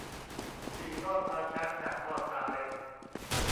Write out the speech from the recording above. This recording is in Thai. ถี่ลอดตาช้าง ห่างลอดตาเล็น